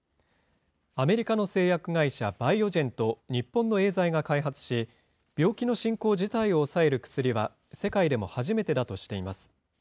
アメリカの製薬会社、バイオジェンと日本のエーザイが開発し、病気の進行自体を抑える薬は世界でも初めてだとしています。